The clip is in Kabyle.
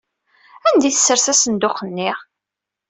Anda ay tessers asenduq-nni?